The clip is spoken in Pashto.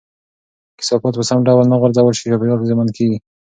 که کثافات په سم ډول نه غورځول شي، چاپیریال زیانمن کېږي.